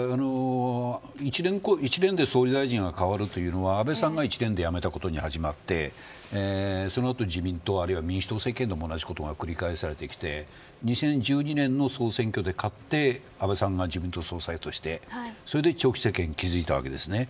１年で総理大臣が変わるというのは安倍さんが１年で辞めたことに始まってそのあと自民党あるいは民主党政権でも繰り返されて２０１２年の総選挙で勝って安倍さんが自民党総裁として長期政権を築いたわけです。